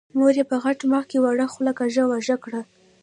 مور يې په غټ مخ کې وړه خوله کږه وږه کړه.